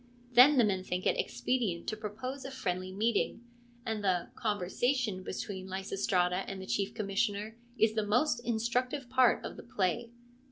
Then the men think it expedient to propose a friendly meeting, and the ' conversation ' between Lysistrata and the Chief Commissioner is the most instructive part of the play.